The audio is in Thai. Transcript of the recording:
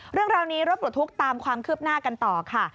เรื่องราวนี้รถปลดทุกข์ตามความคืบหน้ากันต่อค่ะ